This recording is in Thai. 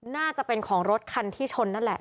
น่าจะเป็นของรถคันที่ชนนั่นแหละ